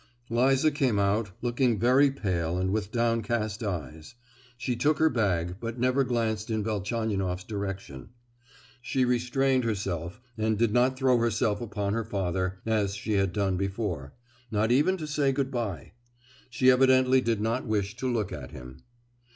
Liza came out, looking very pale and with downcast eyes; she took her bag, but never glanced in Velchaninoff's direction. She restrained herself and did not throw herself upon her father, as she had done before—not even to say good bye. She evidently did not wish to look at him.